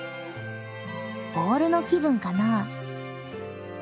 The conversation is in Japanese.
ボールの気分かなあ？